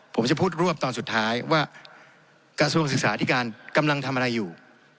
ผมจะพูดรวบตอนสุดท้ายว่ากระทรวงศึกษาที่การกำลังทำอะไรอยู่